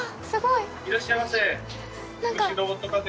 すごいいらっしゃいませ分身